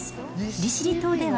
利尻島では、